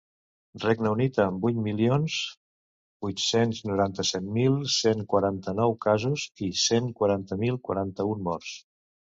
Regne Unit, amb vuit milions vuit-cents noranta-set mil cent quaranta-nou casos i cent quaranta mil quaranta-un morts.